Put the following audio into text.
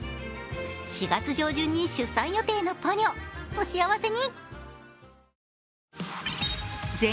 ４月上旬に出産予定のポニョお幸せに！